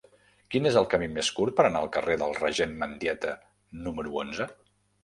Quin és el camí més curt per anar al carrer del Regent Mendieta número onze?